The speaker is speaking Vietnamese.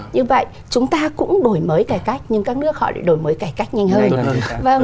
như vậy chúng ta cũng đổi mới cải cách nhưng các nước họ lại đổi mới cải cách nhanh hơn